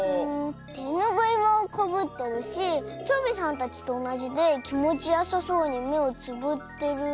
てぬぐいはかぶってるしチョビさんたちとおなじできもちよさそうにめをつぶってる。